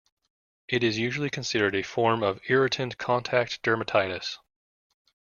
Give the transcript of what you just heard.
It is usually considered a form of irritant contact dermatitis.